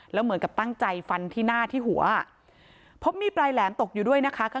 แล้วเหมือนกับตั้งใจฟันที่หน้าที่หัวพบมีดปลายแหลมตกอยู่ด้วยนะคะ